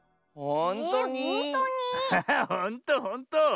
ほんとほんと。